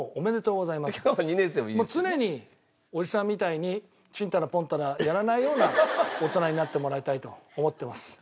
常におじさんみたいにちんたらぽんたらやらないような大人になってもらいたいと思ってます。